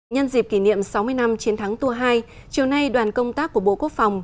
nhân dịp kỷ niệm sáu mươi năm chiến thắng tua hai chiều nay đoàn công tác của bộ quốc phòng